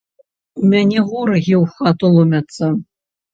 У мяне ворагі ў хату ломяцца.